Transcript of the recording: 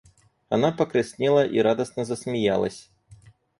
Она покраснела и радостно засмеялась.